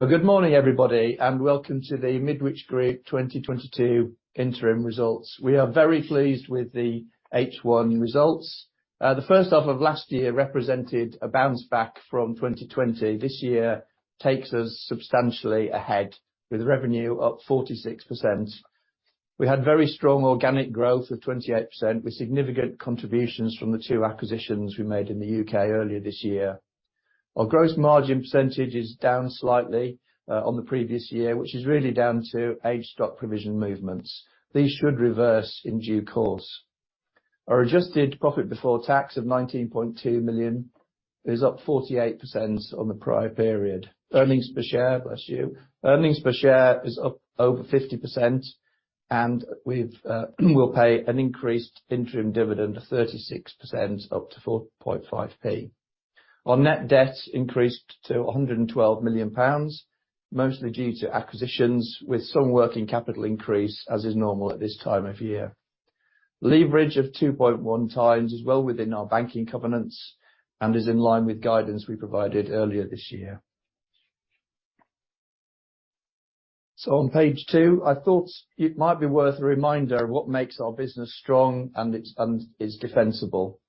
Well, good morning, everybody, and welcome to the Midwich Group 2022 Interim Results. We are very pleased with the H1 results. The H1 of last year represented a bounce back from 2020. This year takes us substantially ahead with revenue up 46%. We had very strong organic growth of 28% with significant contributions from the two acquisitions we made in the UK earlier this year. Our gross margin percentage is down slightly on the previous year, which is really down to aged stock provision movements. These should reverse in due course. Our adjusted profit before tax of 19.2 million is up 48% on the prior period. Earnings per share is up over 50% and we'll pay an increased interim dividend of 36% up to 4.5p. Our net debt increased to 112 million pounds, mostly due to acquisitions with some working capital increase as is normal at this time of year. Leverage of 2.1 times is well within our banking covenants and is in line with guidance we provided earlier this year. On page 2, I thought it might be worth a reminder of what makes our business strong and is defensible.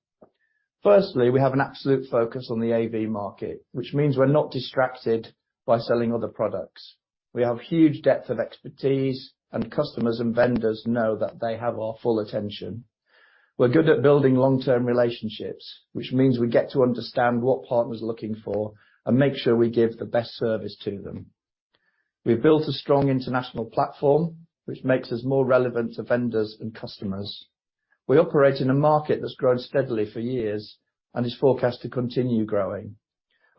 Firstly, we have an absolute focus on the AV market, which means we're not distracted by selling other products. We have huge depth of expertise, and customers and vendors know that they have our full attention. We're good at building long-term relationships, which means we get to understand what partners are looking for and make sure we give the best service to them. We've built a strong international platform, which makes us more relevant to vendors and customers. We operate in a market that's grown steadily for years and is forecast to continue growing,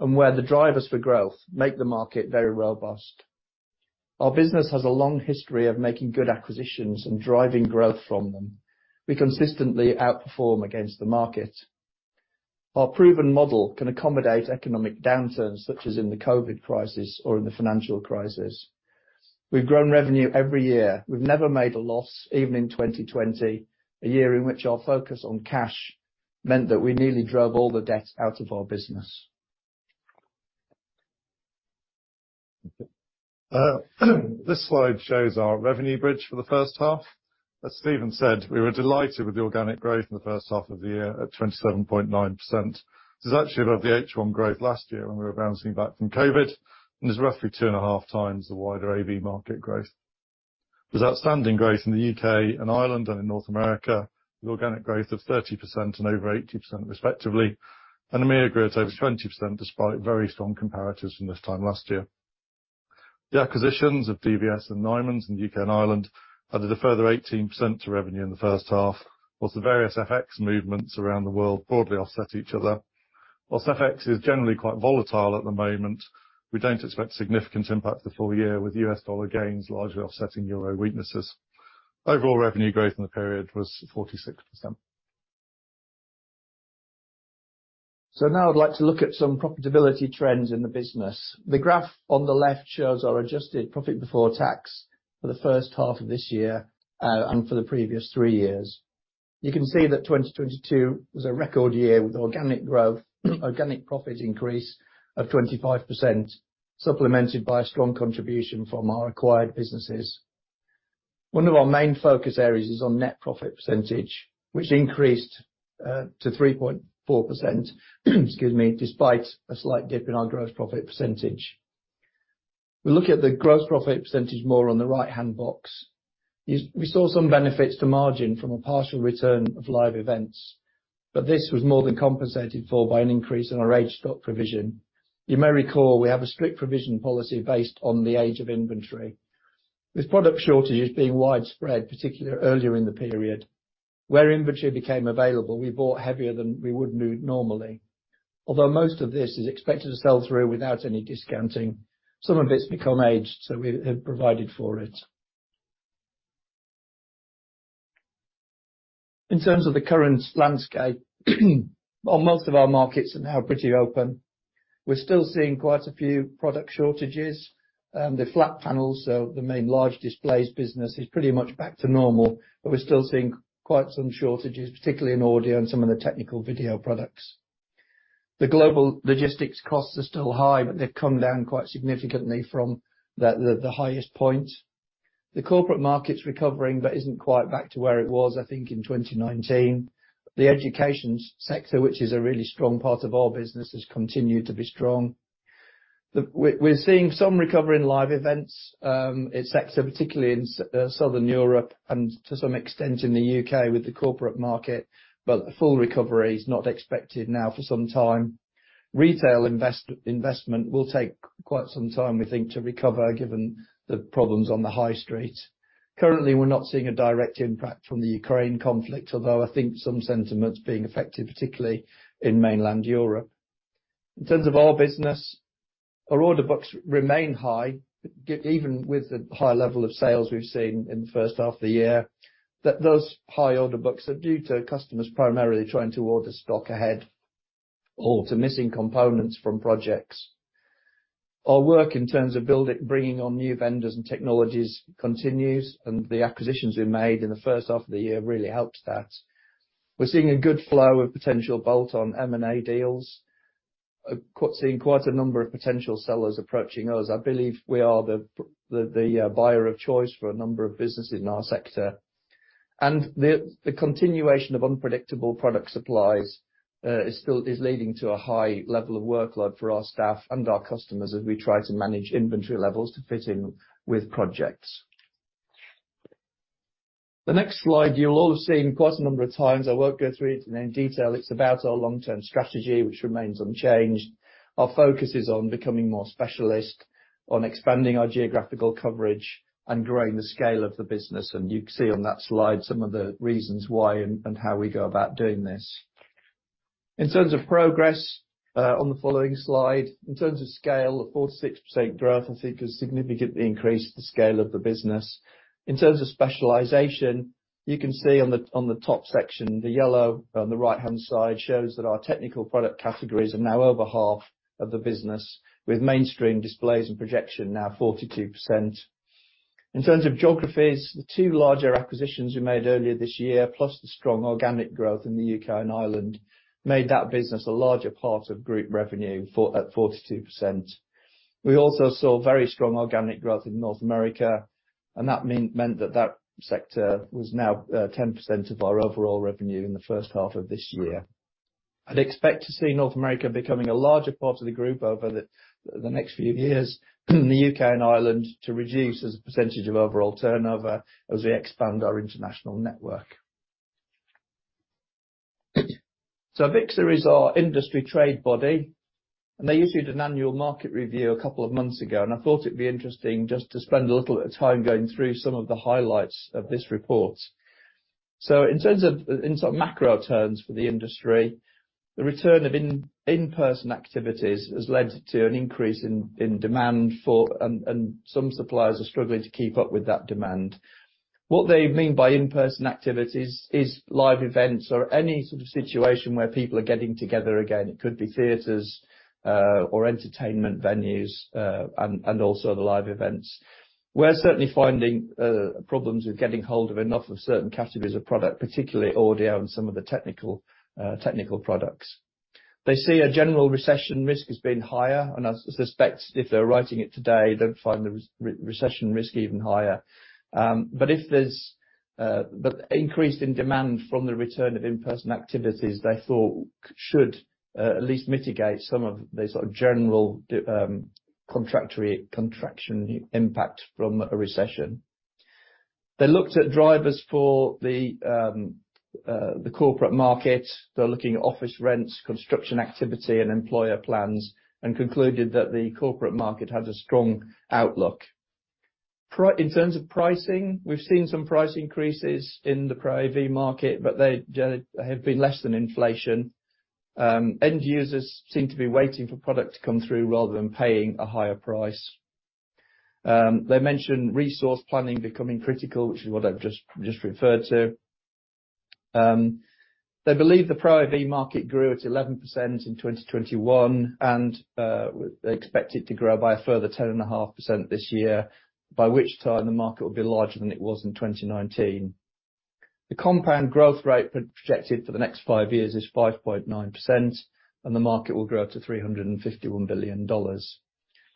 and where the drivers for growth make the market very robust. Our business has a long history of making good acquisitions and driving growth from them. We consistently outperform against the market. Our proven model can accommodate economic downturns, such as in the COVID crisis or in the financial crisis. We've grown revenue every year. We've never made a loss, even in 2020, a year in which our focus on cash meant that we nearly drove all the debt out of our business. This slide shows our revenue bridge for the H1. As Stephen said, we were delighted with the organic growth in the H1 of the year at 27.9%. This is actually above the H1 growth last year when we were bouncing back from COVID and is roughly two and a half times the wider AV market growth. With outstanding growth in the UK and Ireland and in North America, with organic growth of 30% and over 80% respectively, and EMEA grew at over 20% despite very strong comparatives from this time last year. The acquisitions of DVS and Nimans in the UK and Ireland added a further 18% to revenue in the H1, while the various FX movements around the world broadly offset each other. While FX is generally quite volatile at the moment, we don't expect significant impact to the full year with U.S. dollar gains largely offsetting Euro weaknesses. Overall revenue growth in the period was 46%. Now I'd like to look at some profitability trends in the business. The graph on the left shows our adjusted profit before tax for the H1 of this year, and for the previous three years. You can see that 2022 was a record year with organic growth, organic profit increase of 25%, supplemented by a strong contribution from our acquired businesses. One of our main focus areas is on net profit percentage, which increased to 3.4%, excuse me, despite a slight dip in our gross profit percentage. We look at the gross profit percentage more on the right-hand box. We saw some benefits to margin from a partial return of live events, but this was more than compensated for by an increase in our aged stock provision. You may recall we have a strict provision policy based on the age of inventory. With product shortages being widespread, particularly earlier in the period, where inventory became available, we bought heavier than we would normally. Although most of this is expected to sell through without any discounting, some of it's become aged, so we have provided for it. In terms of the current landscape, well, most of our markets are now pretty open. We're still seeing quite a few product shortages. The flat panels, so the main large displays business, is pretty much back to normal, but we're still seeing quite some shortages, particularly in audio and some of the technical video products. The global logistics costs are still high, but they've come down quite significantly from the highest point. The corporate market's recovering but isn't quite back to where it was, I think, in 2019. The education sector, which is a really strong part of our business, has continued to be strong. We're seeing some recovery in live events, a sector particularly in Southern Europe and to some extent in the UK with the corporate market, but a full recovery is not expected now for some time. Retail investment will take quite some time, we think, to recover given the problems on the high street. Currently, we're not seeing a direct impact from the Ukraine Conflict, although I think some sentiment's being affected, particularly in mainland Europe. In terms of our business, our order books remain high, even with the high level of sales we've seen in the H1 of the year. Those high order books are due to customers primarily trying to order stock ahead or to missing components from projects. Our work in terms of build it, bringing on new vendors and technologies continues, and the acquisitions we made in the H1 of the year really helped that. We're seeing a good flow of potential bolt-on M&A deals. Seeing quite a number of potential sellers approaching us. I believe we are the buyer of choice for a number of businesses in our sector. The continuation of unpredictable product supplies is leading to a high level of workload for our staff and our customers as we try to manage inventory levels to fit in with projects. The next slide you'll all have seen quite a number of times. I won't go through it in any detail. It's about our long-term strategy, which remains unchanged. Our focus is on becoming more specialist, on expanding our geographical coverage and growing the scale of the business, and you can see on that slide some of the reasons why and how we go about doing this. In terms of progress, on the following slide, in terms of scale, the 4%-6% growth I think has significantly increased the scale of the business. In terms of specialization, you can see on the top section, the yellow on the right-hand side shows that our technical product categories are now over half of the business, with mainstream displays and projection now 42%. In terms of geographies, the two larger acquisitions we made earlier this year, plus the strong organic growth in the UK and Ireland, made that business a larger part of Group revenue at 42%. We also saw very strong organic growth in North America, and that meant that sector was now 10% of our overall revenue in the H1 of this year. I'd expect to see North America becoming a larger part of the group over the next few years, the UK and Ireland to reduce as a percentage of overall turnover as we expand our international network. AVIXA is our industry trade body, and they issued an annual market review a couple of months ago, and I thought it'd be interesting just to spend a little bit of time going through some of the highlights of this report. In terms of in sort of macro terms for the industry, the return of in-person activities has led to an increase in demand, and some suppliers are struggling to keep up with that demand. What they mean by in-person activities is live events or any sort of situation where people are getting together again. It could be theaters, or entertainment venues, and also the live events. We're certainly finding problems with getting hold of enough of certain categories of product, particularly audio and some of the technical products. They see a general recession risk as being higher, and I suspect if they were writing it today, they'd find the recession risk even higher. Increase in demand from the return of in-person activities they thought should at least mitigate some of the sort of general contraction impact from a recession. They looked at drivers for the corporate market. They're looking at office rents, construction activity, and employer plans, and concluded that the corporate market has a strong outlook. In terms of pricing, we've seen some price increases in the Pro AV market, but they have been less than inflation. End users seem to be waiting for product to come through rather than paying a higher price. They mentioned resource planning becoming critical, which is what I've just referred to. They believe the Pro AV market grew at 11% in 2021, and they expect it to grow by a further 10.5% this year, by which time the market will be larger than it was in 2019. The compound growth rate projected for the next five years is 5.9%, and the market will grow to $351 billion.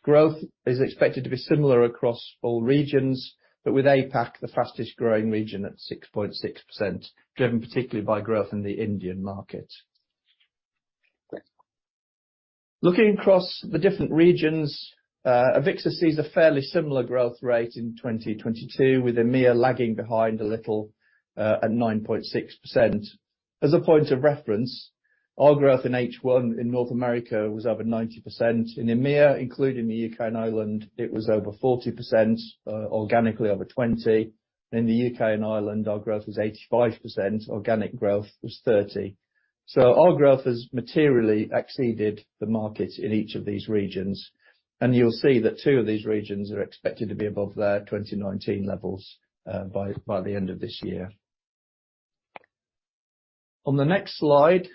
Growth is expected to be similar across all regions, but with APAC the fastest growing region at 6.6%, driven particularly by growth in the Indian market. Looking across the different regions, AVIXA sees a fairly similar growth rate in 2022, with EMEA lagging behind a little at 9.6%. As a point of reference, our growth in H1 in North America was over 90%. In EMEA, including the U.K. and Ireland, it was over 40%, organically over 20%. In the UK and Ireland, our growth was 85%, organic growth was 30%. Our growth has materially exceeded the market in each of these regions, and you'll see that two of these regions are expected to be above their 2019 levels by the end of this year. On the next slide,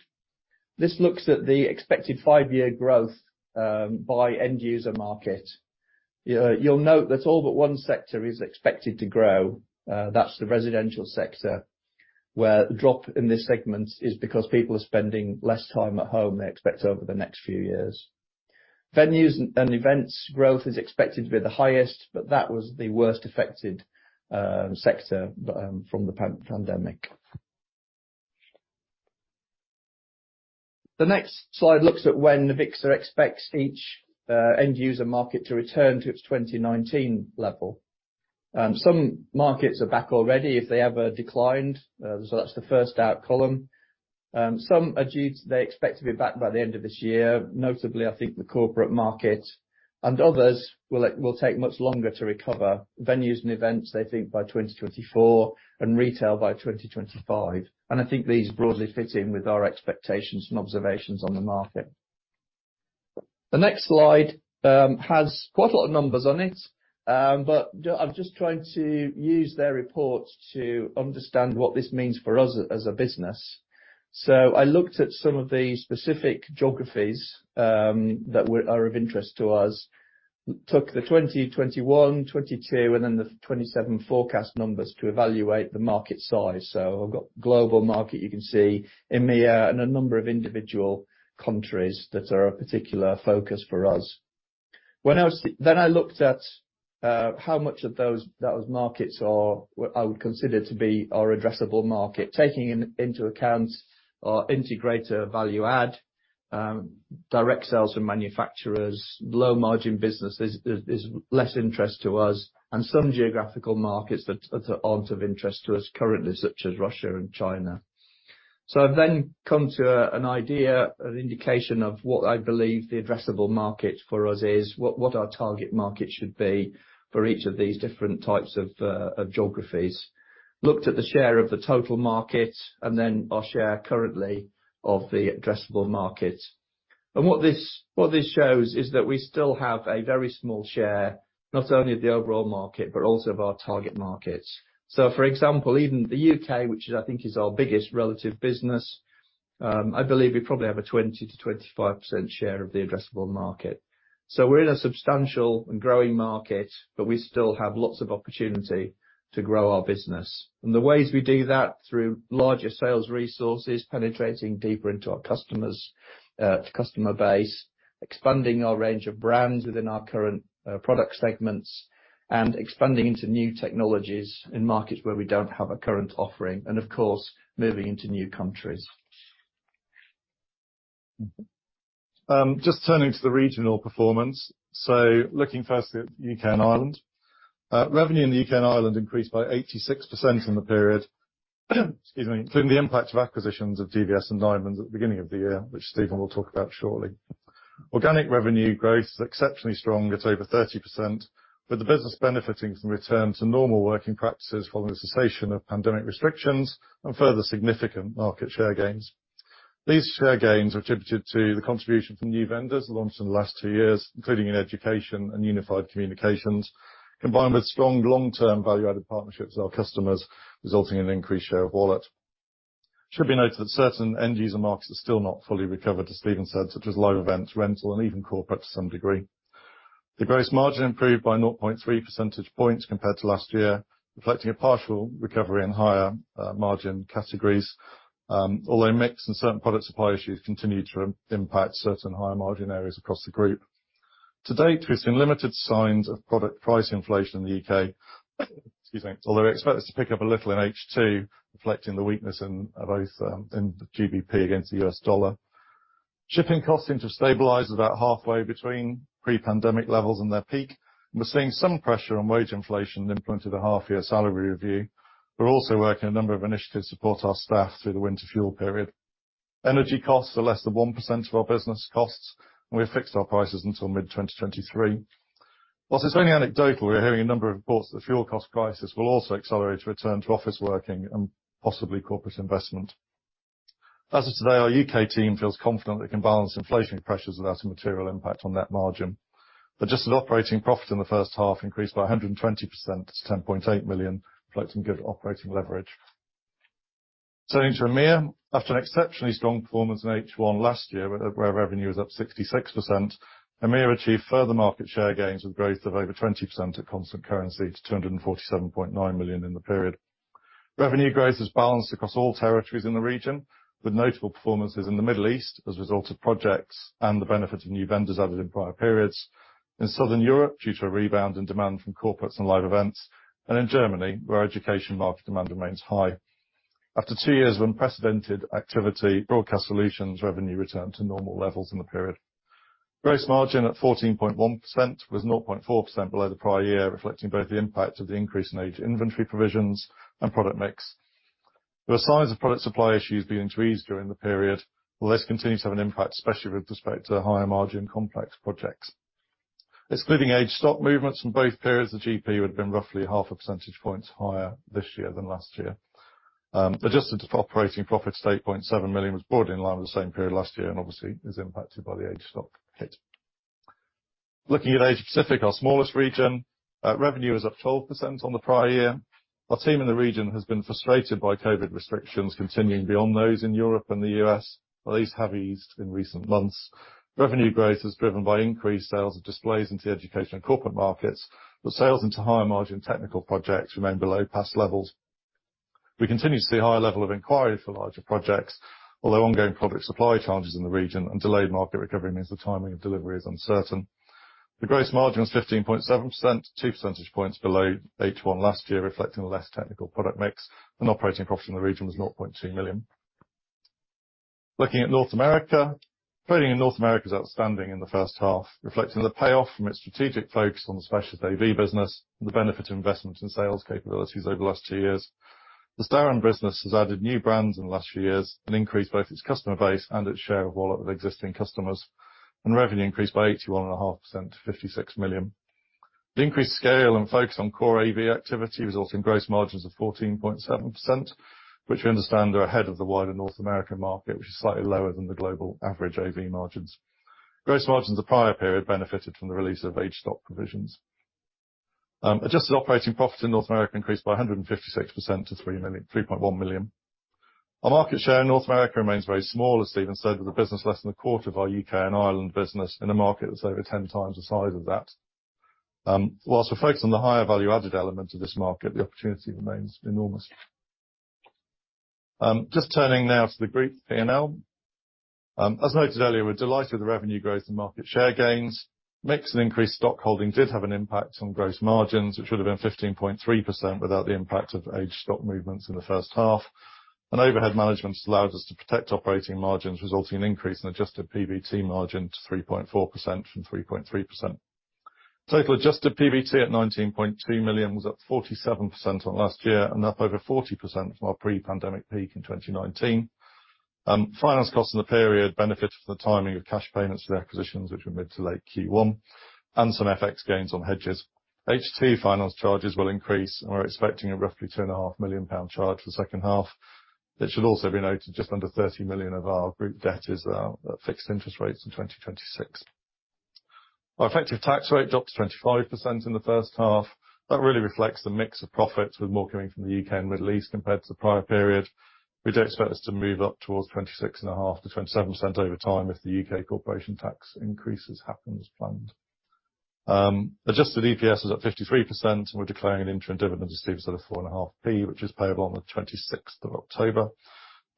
this looks at the expected five-year growth by end user market. You'll note that all but one sector is expected to grow. That's the residential sector, where the drop in this segment is because people are spending less time at home, they expect over the next few years. Venues and events growth is expected to be the highest, but that was the worst affected sector from the pandemic. The next slide looks at when AVIXA expects each end user market to return to its 2019 level. Some markets are back already if they ever declined, so that's the first column. They expect to be back by the end of this year, notably, I think, the corporate market. Others will take much longer to recover. Venues and events, they think by 2024, and retail by 2025. I think these broadly fit in with our expectations and observations on the market. The next slide has quite a lot of numbers on it, but I've just tried to use their report to understand what this means for us as a business. I looked at some of the specific geographies that are of interest to us. Took the 2021, 2022, and then the 2027 forecast numbers to evaluate the market size. I've got Global market you can see in here, and a number of individual countries that are a particular focus for us. I looked at how much of those markets are what I would consider to be our addressable market, taking into account our integrator value add, direct sales from manufacturers, low margin business is less interest to us and some geographical markets that aren't of interest to us currently, such as Russia and China. I've then come to an idea, an indication of what I believe the addressable market for us is, what our target market should be for each of these different types of geographies. Looked at the share of the total market and then our share currently of the addressable market. What this shows is that we still have a very small share, not only of the overall market, but also of our target markets. For example, even the U.K., which I think is our biggest relative business, I believe we probably have a 20%-25% share of the addressable market. We're in a substantial and growing market, but we still have lots of opportunity to grow our business. The ways we do that through larger sales resources, penetrating deeper into our customers, customer base, expanding our range of brands within our current, product segments, and expanding into new technologies in markets where we don't have a current offering, and of course, moving into new countries. Just turning to the regional performance. Looking first at U.K. and Ireland. Revenue in the U.K. and Ireland increased by 86% in the period, excuse me, including the impact of acquisitions of DVS and Diamond at the beginning of the year, which Stephen will talk about shortly. Organic revenue growth is exceptionally strong. It's over 30%, with the business benefiting from return to normal working practices following the cessation of pandemic restrictions and further significant market share gains. These share gains are attributed to the contribution from new vendors launched in the last two years, including in education and unified communications, combined with strong long-term value-added partnerships with our customers, resulting in increased share of wallet. It should be noted that certain end user markets are still not fully recovered, as Stephen said, such as live events, rental, and even corporate to some degree. The gross margin improved by 0.3 percentage points compared to last year, reflecting a partial recovery in higher margin categories, although mix and certain product supply issues continue to impact certain higher margin areas across the Group. To date, we've seen limited signs of product price inflation in the U.K., excuse me, although we expect this to pick up a little in H2, reflecting the weakness in the GBP against the U.S. dollar. Shipping costs seem to have stabilized about halfway between pre-pandemic levels and their peak, and we're seeing some pressure on wage inflation. Implemented a half-year salary review. We're also working on a number of initiatives to support our staff through the winter fuel period. Energy costs are less than 1% of our business costs, and we have fixed our prices until mid-2023. While it's only anecdotal, we're hearing a number of reports that the fuel cost crisis will also accelerate a return to office working and possibly corporate investment. As of today, our U.K. team feels confident they can balance inflation pressures without a material impact on net margin. Adjusted operating profit in the H1 increased by 120% to 10.8 million, reflecting good operating leverage. Turning to EMEA. After an exceptionally strong performance in H1 last year, where revenue was up 66%, EMEA achieved further market share gains with growth of over 20% at constant currency to 247.9 million in the period. Revenue growth was balanced across all territories in the region, with notable performances in the Middle East as a result of projects and the benefit of new vendors added in prior periods, in Southern Europe due to a rebound in demand from corporates and live events, and in Germany, where education market demand remains high. After 2 years of unprecedented activity, Broadcast Solutions revenue returned to normal levels in the period. Gross margin at 14.1% was 0.4% below the prior year, reflecting both the impact of the increase in aged inventory provisions and product mix. The size of product supply issues began to ease during the period, although this continues to have an impact, especially with respect to higher margin complex projects. Excluding aged stock movements from both periods, the GP would have been roughly half a percentage point higher this year than last year. Adjusted operating profit of 8.7 million was broadly in line with the same period last year, and obviously is impacted by the aged stock hit. Looking at Asia-Pacific, our smallest region, revenue is up 12% on the prior year. Our team in the region has been frustrated by COVID restrictions continuing beyond those in Europe and the U.S., but these have eased in recent months. Revenue growth is driven by increased sales of displays into education and corporate markets, but sales into higher margin technical projects remain below past levels. We continue to see a higher level of inquiry for larger projects, although ongoing product supply challenges in the region and delayed market recovery means the timing of delivery is uncertain. The gross margin was 15.7%, 2 percentage points below H1 last year, reflecting a less technical product mix, and operating profit in the region was 0.2 million. Looking at North America. Trading in North America is outstanding in the H1, reflecting the payoff from its strategic focus on the specialist AV business and the benefit of investment in sales capabilities over the last two years. The Starin business has added new brands in the last few years and increased both its customer base and its share of wallet with existing customers, and revenue increased by 81.5% to 56 million. The increased scale and focus on core AV activity resulting in gross margins of 14.7%, which we understand are ahead of the wider North American market, which is slightly lower than the global average AV margins. Gross margins in the prior period benefited from the release of aged stock provisions. Adjusted operating profit in North America increased by 156% to 3 million, 3.1 million. Our market share in North America remains very small. As Stephen said, with the business less than a quarter of our U.K. and Ireland business in a market that's over 10 times the size of that. While we're focused on the higher value-added element of this market, the opportunity remains enormous. Just turning now to the group P&L. As noted earlier, we're delighted with the revenue growth and market share gains. Mix and increased stock holdings did have an impact on gross margins, which would have been 15.3% without the impact of aged stock movements in the H1. Overhead management has allowed us to protect operating margins, resulting in increase in adjusted PBT margin to 3.4% from 3.3%. Total adjusted PBT at 19.2 million was up 47% on last year and up over 40% from our pre-pandemic peak in 2019. Finance costs in the period benefited from the timing of cash payments for the acquisitions, which were mid to late Q1, and some FX gains on hedges. H2 finance charges will increase, and we're expecting a roughly 2.5 million pound charge for the H2. It should also be noted just under 30 million of our group debt is at fixed interest rates in 2026. Our effective tax rate dropped to 25% in the H1. That really reflects the mix of profits, with more coming from the U.K. and Middle East compared to the prior period. We do expect this to move up towards 26.5%-27% over time if the U.K. Corporation Tax increases happen as planned. Adjusted EPS is at 53%, and we're declaring an interim dividend as Steve said of 4.5p, which is payable on the 26th of October.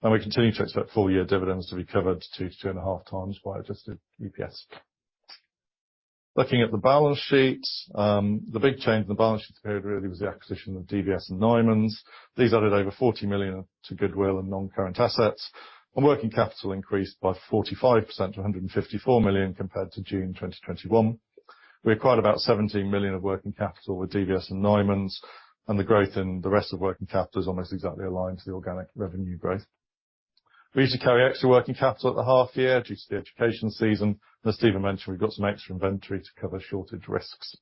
We continue to expect full year dividends to be covered 2-2.5 times by adjusted EPS. Looking at the balance sheet, the big change in the balance sheet period really was the acquisition of DVS and Nimans. These added over 40 million to goodwill and non-current assets, and working capital increased by 45% to 154 million compared to June 2021. We acquired about 17 million of working capital with DVS and Nimans, and the growth in the rest of working capital is almost exactly aligned to the organic revenue growth. We usually carry extra working capital at the half year due to the education season. As Stephen mentioned, we've got some extra inventory to cover shortage risks.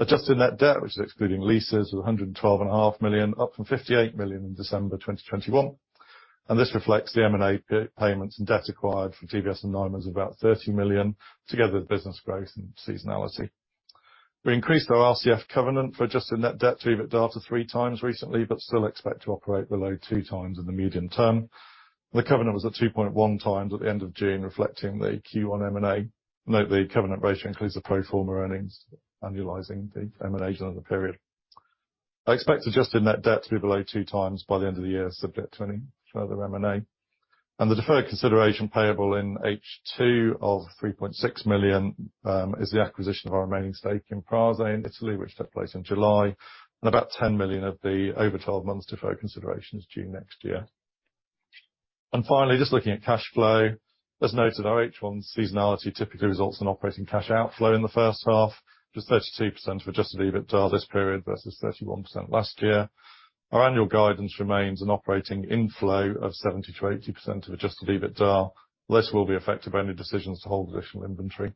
Adjusted net debt, which is excluding leases, is 112.5 million, up from 58 million in December 2021. This reflects the M&A payments and debt acquired for DVS and Nimans of about 30 million together with business growth and seasonality. We increased our RCF covenant for adjusted net debt to EBITDA three times recently, but still expect to operate below two times in the medium term. The covenant was at 2.1 times at the end of June, reflecting the Q1 M&A. Note, the covenant ratio includes the pro forma earnings, annualizing the M&A during the period. I expect adjusted net debt to be below 2x by the end of the year, subject to any further M&A. The deferred consideration payable in H2 of 3.6 million is the acquisition of our remaining stake in Prase in Italy, which took place in July. About 10 million of the over 12 months deferred consideration is due next year. Finally, just looking at cash flow. As noted, our H1 seasonality typically results in operating cash outflow in the H1. Just 32% were adjusted EBITDA this period versus 31% last year. Our annual guidance remains an operating inflow of 70%-80% of adjusted EBITDA. This will be affected by any decisions to hold additional inventory.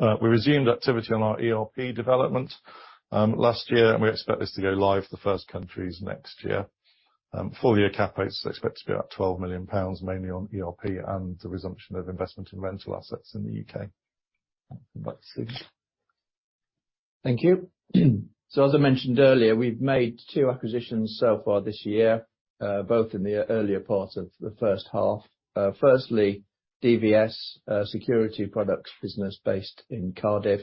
We resumed activity on our ERP development last year, and we expect this to go live to the first countries next year. Full year CapEx is expected to be about 12 million pounds, mainly on ERP and the resumption of investment in rental assets in the U.K. Back to Steve. Thank you. As I mentioned earlier, we've made two acquisitions so far this year, both in the earlier part of the H1. Firstly, DVS, security products business based in Cardiff.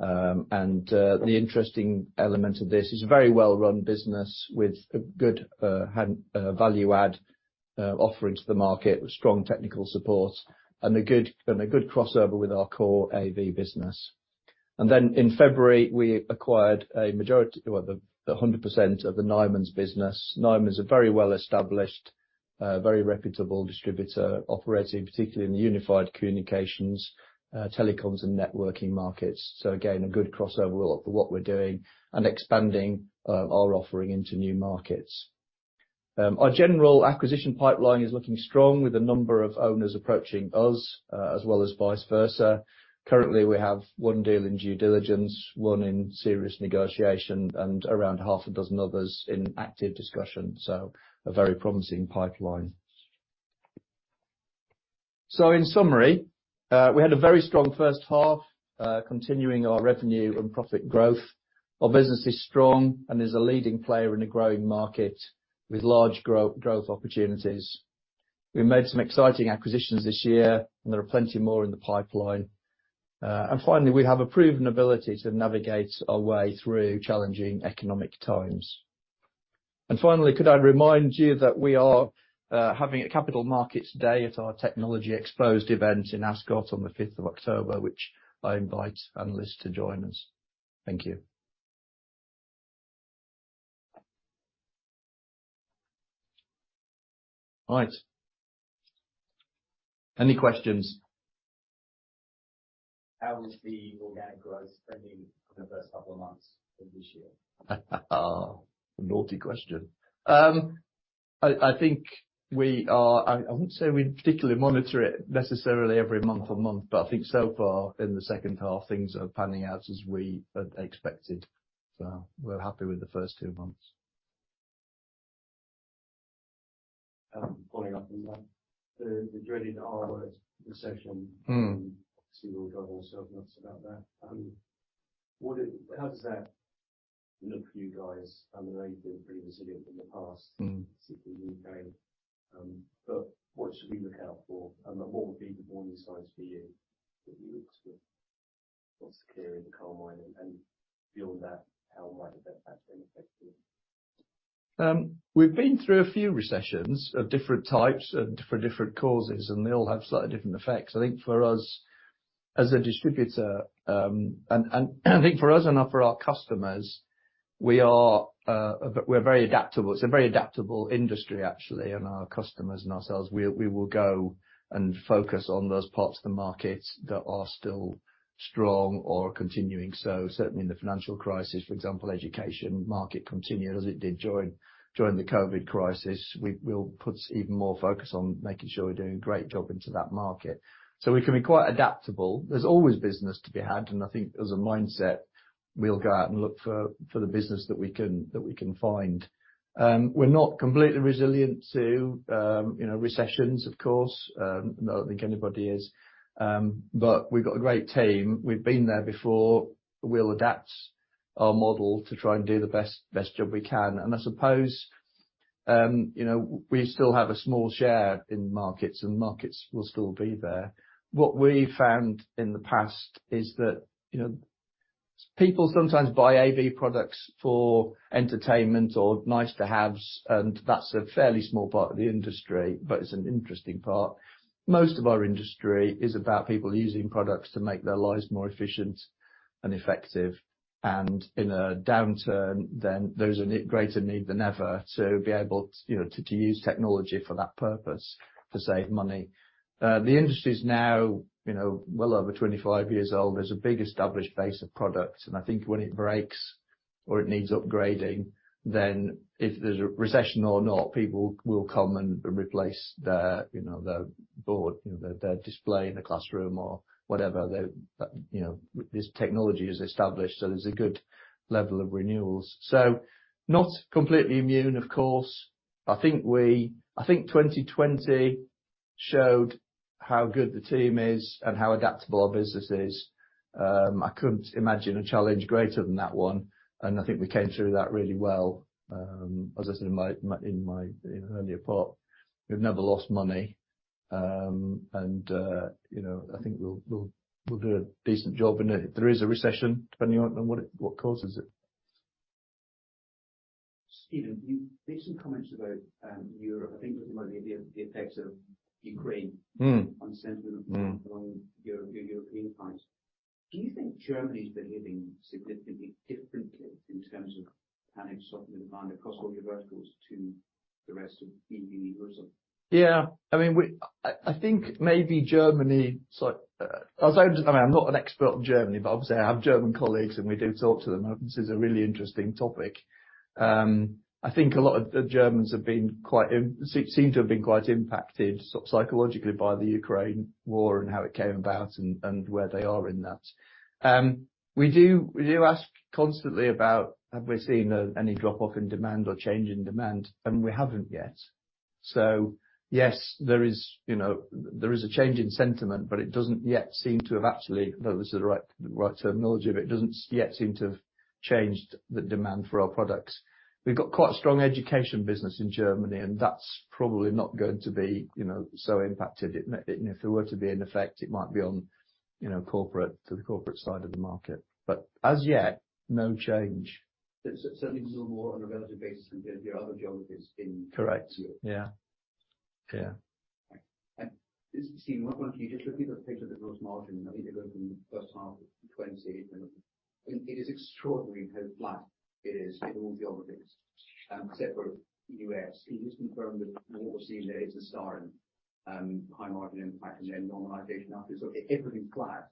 The interesting element of this, it's a very well-run business with a good value add offering to the market with strong technical support and a good crossover with our core AV business. Then in February, we acquired the 100% of the Nimans business. Nimans is a very well-established, very reputable distributor operating particularly in the Unified Communications, telecoms and networking markets. Again, a good crossover for what we're doing and expanding our offering into new markets. Our general acquisition pipeline is looking strong with a number of owners approaching us, as well as vice versa. Currently, we have one deal in due diligence, one in serious negotiation, and around half a dozen others in active discussion, so a very promising pipeline. In summary, we had a very strong H1, continuing our revenue and profit growth. Our business is strong and is a leading player in a growing market with large growth opportunities. We made some exciting acquisitions this year, and there are plenty more in the pipeline. Finally, we have a proven ability to navigate our way through challenging economic times. Finally, could I remind you that we are having a Capital Markets Day at our Technology Exposed event in Ascot on the fifth of October, which I invite analysts to join us. Thank you. All right. Any questions? How is the organic growth trending for the first couple of months of this year? Naughty question. I think I wouldn't say we particularly monitor it necessarily every month-on-month, but I think so far in the H2, things are panning out as we had expected. We're happy with the first two months. Following up on that, the dreaded R-word, recession. Mm. Obviously we'll drive ourselves nuts about that. How does that look for you guys? I know you've been pretty resilient in the past. Mm. particularly in the U.K. What should we look out for and what would be the warning signs for you, that you expect, sort of, canary in the coal mine and beyond that, how might that benefit you? We've been through a few recessions of different types and for different causes, and they all have slightly different effects. I think for us, as a distributor, I think for us and for our customers, we're very adaptable. It's a very adaptable industry, actually, and our customers and ourselves, we will go and focus on those parts of the markets that are still strong or continuing. Certainly in the financial crisis, for example, education market continued as it did during the COVID crisis. We'll put even more focus on making sure we're doing a great job into that market. We can be quite adaptable. There's always business to be had, and I think as a mindset, we'll go out and look for the business that we can find. We're not completely resilient to, you know, recessions, of course. I don't think anybody is. We've got a great team. We've been there before. We'll adapt our model to try and do the best job we can. I suppose, you know, we still have a small share in markets, and markets will still be there. What we've found in the past is that, you know, people sometimes buy AV products for entertainment or nice-to-haves, and that's a fairly small part of the industry, but it's an interesting part. Most of our industry is about people using products to make their lives more efficient and effective. In a downturn, then there's a greater need than ever to be able to, you know, to use technology for that purpose, to save money. The industry is now, you know, well over 25 years old. There's a big established base of products, and I think when it breaks or it needs upgrading, then if there's a recession or not, people will come and replace their, you know, their board, you know, their display in the classroom or whatever. Their, you know, this technology is established, so there's a good level of renewals. Not completely immune, of course. I think 2020 showed how good the team is and how adaptable our business is. I couldn't imagine a challenge greater than that one, and I think we came through that really well. As I said in my, you know, earlier part, we've never lost money. You know, I think we'll do a decent job. If there is a recession, depending on what causes it. Stephen, you made some comments about Europe, I think talking about the effects of Ukraine- Mm. on sentiment. Mm. Among your European clients. Do you think Germany is behaving significantly differently in terms of panic, softening demand across all your verticals to the rest of EU? Yeah. I mean, I think maybe Germany, so, I mean, I'm not an expert on Germany, but obviously I have German colleagues, and we do talk to them. This is a really interesting topic. I think a lot of the Germans have been seem to have been quite impacted sort of psychologically by the Ukraine war and how it came about and where they are in that. We do ask constantly about have we seen any drop-off in demand or change in demand? We haven't yet. Yes, there is, you know, there is a change in sentiment, but it doesn't yet seem to have actually, if that was the right terminology of it, doesn't yet seem to have changed the demand for our products. We've got quite a strong education business in Germany, and that's probably not going to be, you know, so impacted. If it were to be an effect, it might be on, you know, the corporate side of the market. As yet, no change. It's certainly visible more on a relative basis than our other geographies. Correct. -Europe. Yeah. Yeah. This is to Steve, can you just look at the picture of the gross margin? I think it goes from the H1 of 2020. It is extraordinary how flat it is in all geographies, except for U.S. Can you just confirm that what we're seeing there is a Starin, high margin impact and then normalization after. Everything's flat,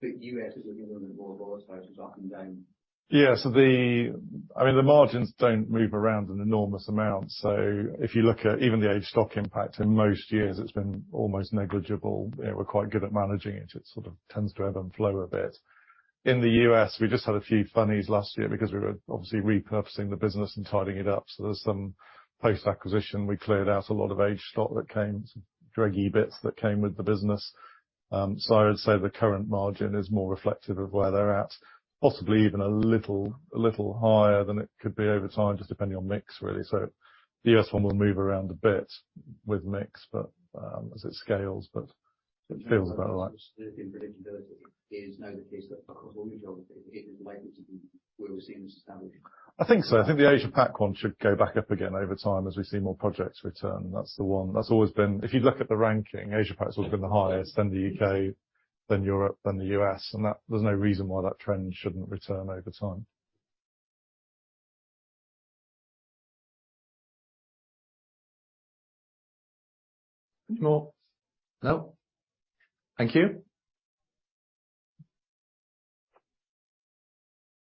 but U.S. is looking a little bit more volatile. It's up and down. Yeah. I mean, the margins don't move around an enormous amount. If you look at even the aged stock impact, in most years it's been almost negligible. You know, we're quite good at managing it. It sort of tends to ebb and flow a bit. In the U.S., we just had a few funnies last year because we were obviously repurposing the business and tidying it up. There's some post-acquisition. We cleared out a lot of aged stock that came, some draggy bits that came with the business. I would say the current margin is more reflective of where they're at, possibly even a little higher than it could be over time, just depending on mix, really. The U.S. one will move around a bit with mix, but as it scales, it feels about right. The unpredictability is now the case across all your geographies. It is likely to be where we're seeing this established. I think so. I think the Asia Pac one should go back up again over time as we see more projects return. That's always been. If you look at the ranking, Asia Pac's always been the highest, then the U.K., then Europe, then the U.S. There's no reason why that trend shouldn't return over time. Any more? No. Thank you.